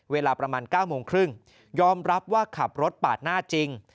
เวลาประมาณ๙โมงครึ่งยอมรับว่าขับรถปาดหน้าจริง